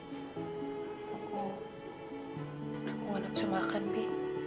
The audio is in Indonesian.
aku aku gak napsu makan bi